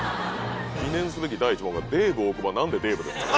記念すべき第１問が「デーブ大久保は何でデーブ？」。